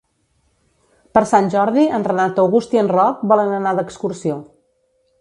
Per Sant Jordi en Renat August i en Roc volen anar d'excursió.